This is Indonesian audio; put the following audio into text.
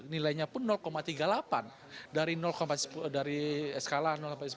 nilainya pun tiga puluh delapan dari skala sampai sepuluh